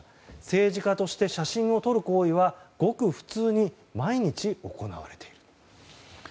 政治家として写真を撮る行為はごく普通に毎日、行われている。